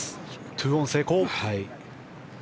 ２オン成功。